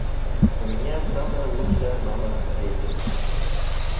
У меня самая лучшая мама на свете.